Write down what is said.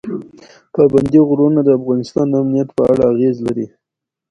پابندي غرونه د افغانستان د امنیت په اړه اغېز لري.